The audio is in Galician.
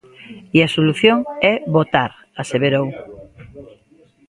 E a solución é votar, aseverou.